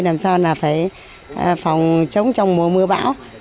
làm sao phải phòng chống trong mùa mưa bão